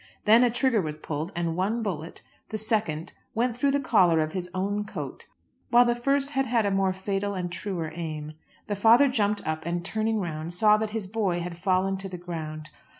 Then a trigger was pulled, and one bullet the second went through the collar of his own coat, while the first had had a more fatal and truer aim. The father jumped up and turning round saw that his boy had fallen to the ground.